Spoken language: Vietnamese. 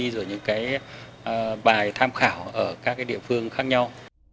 rồi những cái bài tham khảo ở các cái địa phương khác nhau